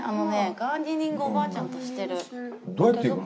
ガーデニングおばあちゃんとしてる。